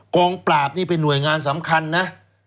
กองปราบนี่เป็นหน่วยงานสำคัญนะ